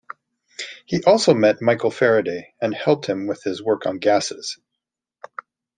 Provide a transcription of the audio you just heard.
He also met Michael Faraday and helped him with his work on gases.